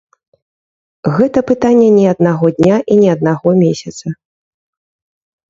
Гэта пытанне не аднаго дня і не аднаго месяца.